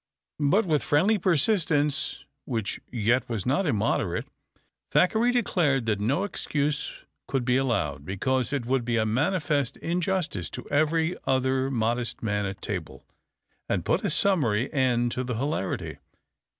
But with friendly persistence, which yet was not immoderate, Thackeray declared that no excuse could be allowed, because it would be a manifest injustice to every other modest man at table, and put a summary end to the hilarity.